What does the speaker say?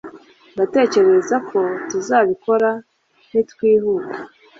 ndatekereza ko tuzabikora nitwihuta